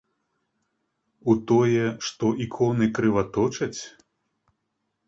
У тое, што іконы крываточаць?